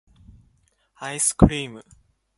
アイスクリーム